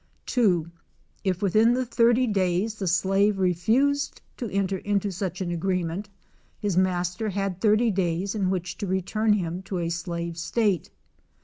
(2) If within the 30 days the slave refused to enter into such an agreement his master had 80 days in which to return him to a slave state.